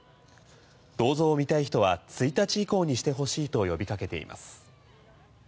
銅像を見たい人は１日以降にしてほしいと呼びかけています。